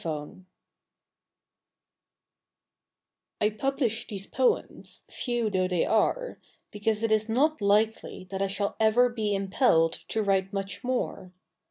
Housman I publish these poems, few though they are, because it is not likely that I shall ever be impelled to write much more.